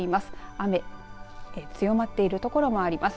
雨、強まっている所もあります。